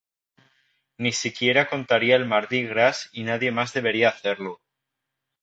Ni siquiera contaría el Mardi Gras y nadie más debería hacerlo.